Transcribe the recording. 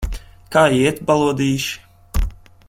Kā iet, balodīši?